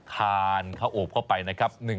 ทานข้าวโอบเข้าไปนะครับ